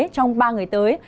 trong ba ngày tới